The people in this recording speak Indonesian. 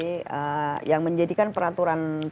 ibu ini apa sih yang menjadikan perangkat ini yang terjadi